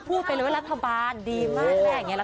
พูดไปเลยว่ารัฐบาลค่ะดีมาก